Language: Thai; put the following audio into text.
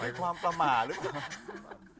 เหมือนความประหมารึไง